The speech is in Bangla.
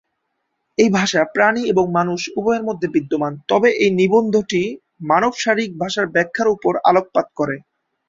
এই ভাষা প্রাণী এবং মানুষ উভয়ের মধ্যে বিদ্যমান, তবে এই নিবন্ধটি মানব শারীরিক ভাষার ব্যাখ্যার উপর আলোকপাত করে।